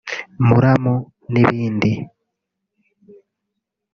muramu n’ibindi